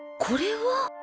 これは？